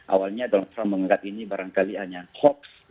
awalnya donald trump menganggap ini barangkali hanya hoax